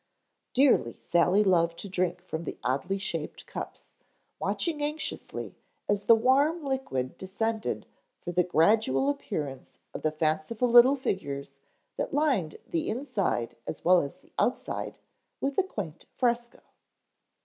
Dearly Sally loved to drink from the oddly shaped cups, watching anxiously as the warm liquid descended for the gradual appearance of the fanciful little figures that lined the inside as well as the outside with a quaint fresco.